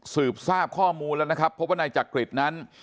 สืบทราบข้อมูลแล้วนะครับพบว่านายจักริตนั้น